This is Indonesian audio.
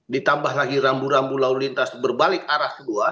ditambah lagi rambu rambu lalu lintas berbalik arah kedua